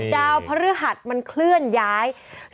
ดาวพฤหัสมันเคลื่อนย้าย